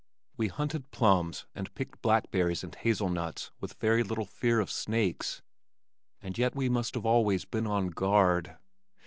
We hunted plums and picked blackberries and hazelnuts with very little fear of snakes, and yet we must have always been on guard.